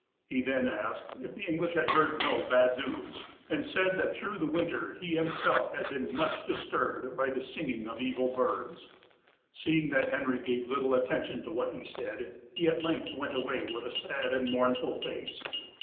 He then asked if the English had heard no bad news, and said that through the winter he himself had been much disturbed by the singing of evil birds. Seeing that Henry gave little attention to what he said, he at length went away with a sad and mournful face.